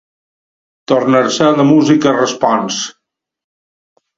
Tornar-se la música respons.